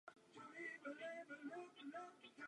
Projevy hněvu nejčastěji narušují vztahy mezi lidmi.